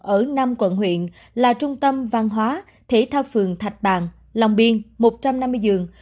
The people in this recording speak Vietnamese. ở năm quận huyện là trung tâm văn hóa thể thao phường thạch bàn long biên một trăm năm mươi giường